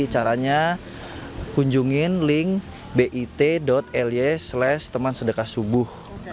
caranya kunjungin link bit ly slash temansedekahsubuh